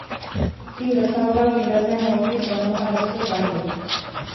Tím dosahoval výrazné hloubky tónů a lesku barvy.